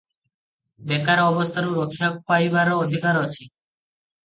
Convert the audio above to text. ବେକାର ଅବସ୍ଥାରୁ ରକ୍ଷା ପାଇବାର ଅଧିକାର ଅଛି ।